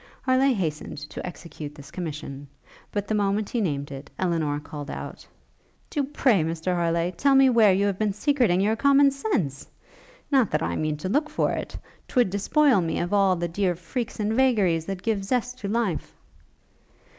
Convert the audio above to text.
Harleigh hastened to execute this commission; but the moment he named it, Elinor called out, 'Do, pray, Mr Harleigh, tell me where you have been secreting your common sense? Not that I mean to look for it! 'twould despoil me of all the dear freaks and vagaries that give zest to life!'